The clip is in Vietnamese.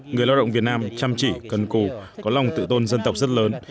người lao động việt nam chăm chỉ cần cù có lòng tự tôn dân tộc rất lớn